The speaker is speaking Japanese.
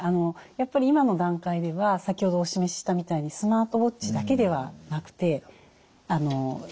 やっぱり今の段階では先ほどお示ししたみたいにスマートウォッチだけではなくてスマートフォンを併用するっていう。